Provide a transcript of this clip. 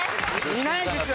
いないですよ